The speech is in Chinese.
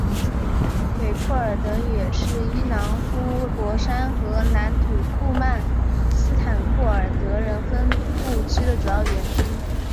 北库尔德语也是伊朗呼罗珊和南土库曼斯坦库尔德人分布区的主要语言之一。